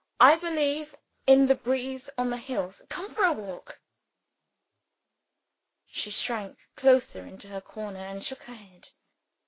"I believe in the breeze on the hills. Come for a walk!" She shrank closer into her corner and shook her head.